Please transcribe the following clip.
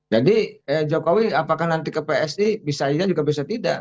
jadi jokowi apakah nanti ke psi bisa iya juga bisa tidak